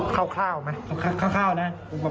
คร่าวไหมครับคร่าวนะ